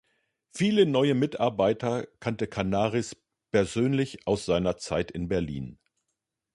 Viele neue Mitarbeiter kannte Canaris persönlich aus seiner Zeit in Berlin.